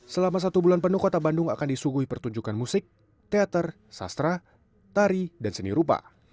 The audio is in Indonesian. selama satu bulan penuh kota bandung akan disuguhi pertunjukan musik teater sastra tari dan seni rupa